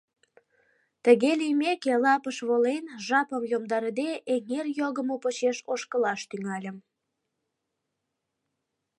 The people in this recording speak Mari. Тыге лиймеке, лапыш волен, жапым йомдарыде, эҥер йогымо почеш ошкылаш тӱҥальым.